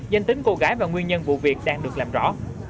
danh tính cô gái và nguyên nhân vụ việc đang được làm rõ